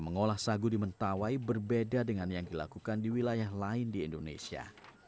mengolah sagu di mentawai berbeda dengan yang dilakukan di wilayah lain di indonesia